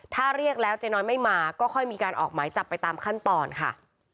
ถ้าเรียกแล้วเจ๊น้อยไม่มาก็ค่อยมีการออกหมายจับไปตามขั้นตอนค่ะ